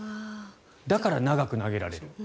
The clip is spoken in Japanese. だから長く投げられる。